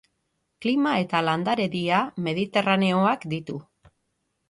Klima eta landaredia mediterraneoak ditu.